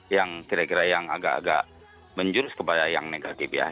yang kira kira yang agak agak menjurus kepada yang negatif ya